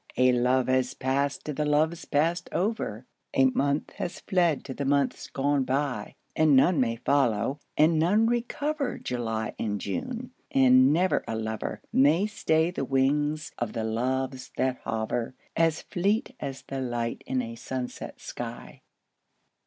A love has passed to the loves passed over, A month has fled to the months gone by; And none may follow, and none recover July and June, and never a lover May stay the wings of the Loves that hover, As fleet as the light in a sunset sky.